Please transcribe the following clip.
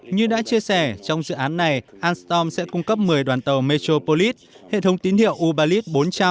như đã chia sẻ trong dự án này ostrom sẽ cung cấp một mươi đoàn tàu metropolis hệ thống tín hiệu u balit bốn trăm linh